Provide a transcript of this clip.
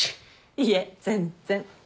いえ全然。